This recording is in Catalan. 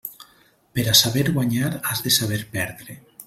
Per a saber guanyar has de saber perdre.